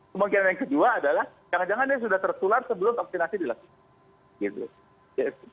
kemungkinan yang kedua adalah jangan jangan dia sudah tertular sebelum vaksinasi dilakukan